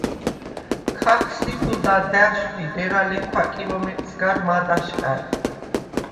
ქახსიპჷდ ა და̈შვდ ი დერალექვა კილომეტრს გარ მად’ აშყა̈დ.